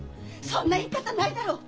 そんな言い方ないだろう！